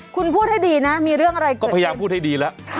คุณพูดให้ดีนะมีเรื่องอะไรก็พยายามพูดให้ดีแล้ว